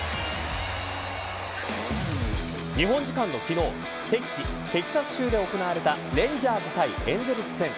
日本時間の昨日敵地、テキサス州で行われたレンジャーズ対エンゼルス戦。